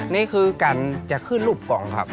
นี่คือการจะขึ้นรูปกล่องครับ